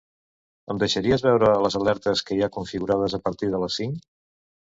Em deixaries veure les alertes que hi ha configurades a partir de les cinc?